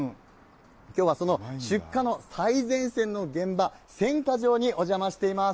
きょうはその出荷の最前線の現場、選果場にお邪魔しています。